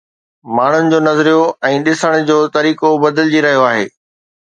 ماڻهن جو نظريو ۽ ڏسڻ جو طريقو بدلجي رهيو آهي.